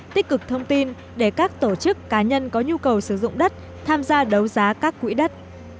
tích cực thông tin để các tổ chức cá nhân có nhu cầu sử dụng đất tham gia đấu giá các quỹ đất